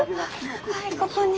はいここに。